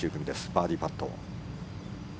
バーディーパット。